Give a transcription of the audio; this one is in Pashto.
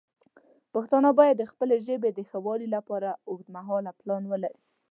پښتانه باید د خپلې ژبې د ښه والی لپاره اوږدمهاله پلان ولري.